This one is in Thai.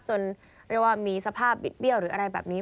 จนมีสภาพบิดเบี้ยวหรืออะไรแบบนี้